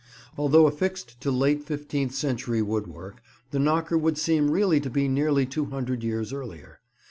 Although affixed to late fifteenth century wood work, the knocker would seem really to be nearly two hundred years earlier.